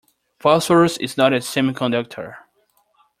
Phosphorus is not a semiconductor.